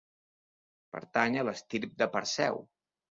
Pertany a l'estirp de Perseu.